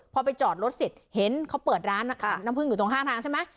พอไปจอดรถเสร็จเห็นเขาเปิดร้านน้ำผึ้งอยู่ตรงข้างทางใช่ไหม